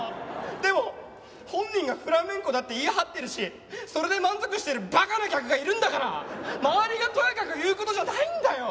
でも本人がフラメンコだって言い張ってるしそれで満足してるバカな客がいるんだから周りがとやかく言う事じゃないんだよ。